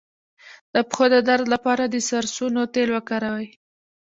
د پښو د درد لپاره د سرسونو تېل وکاروئ